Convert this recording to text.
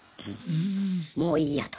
もういいやと。